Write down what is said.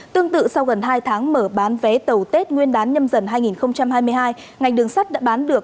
tương tự sau gần hai tháng mở bán vé tàu tết nguyên đán nhâm dần hai nghìn hai mươi hai ngành đường sắt đã bán được